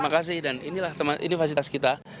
terima kasih dan inilah ini fasilitas kita